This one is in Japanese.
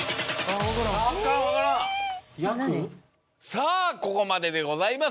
さぁここまででございます。